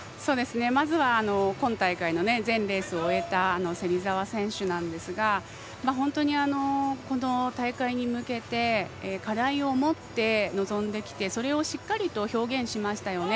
まず、今大会の全レースを終えた芹澤選手ですが本当にこの大会に向けて課題を持って臨んできて、それをしっかりと表現しましたよね。